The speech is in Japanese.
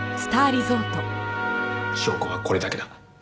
証拠はこれだけだ。